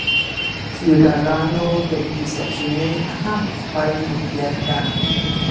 فیوډالانو طبیعي سرچینې هم خپل ملکیت ګاڼه.